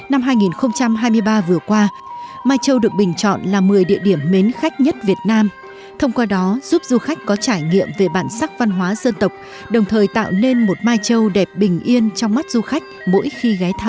năm hai nghìn hai mươi ba vừa qua mai châu được bình chọn là một mươi địa điểm mến khách nhất việt nam thông qua đó giúp du khách có trải nghiệm về bản sắc văn hóa dân tộc đồng thời tạo nên một mai châu đẹp bình yên trong mắt du khách mỗi khi ghé thăm